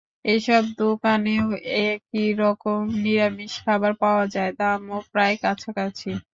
এসব দোকানেও একই রকম নিরামিষ খাবার পাওয়া যায়, দামও প্রায় কাছাকাছি।